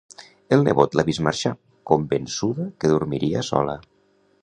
El nebot l'ha vist marxar, convençuda que dormiria sola.